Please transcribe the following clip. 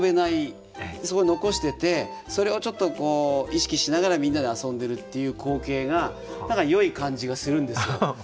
そこに残しててそれをちょっと意識しながらみんなで遊んでるっていう光景が何かよい感じがするんですよ。